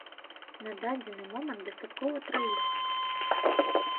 На дадзены момант дастаткова траіх.